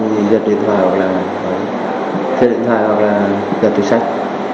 đi lật điện thoại hoặc là lật tiền sách